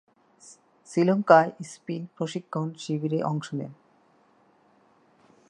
শ্রীলঙ্কায় স্পিন প্রশিক্ষণ শিবিরে অংশ নেন।